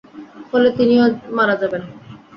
ফলে তিনিও মারা যাবেন।